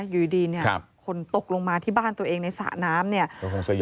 อยู่ดีเนี่ยคนตกลงมาที่บ้านตัวเองในสระน้ำเนี่ย